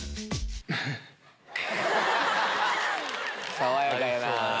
爽やかやな。